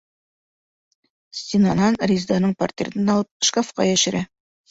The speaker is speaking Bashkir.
Стенанан Резеданың портретын алып шкафҡа йәшерә.